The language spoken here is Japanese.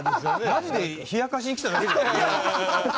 マジで冷やかしに来ただけにしか見えない。